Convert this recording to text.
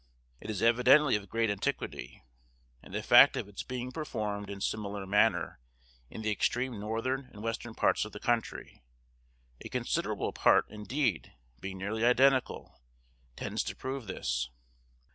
It is evidently of great antiquity; and the fact of its being performed in similar manner in the extreme northern and western parts of the country, a considerable part indeed being nearly identical, tends to prove this.